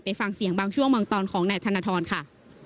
ฟังเสียงบางช่วงบางตอนของนายธนทรค่ะ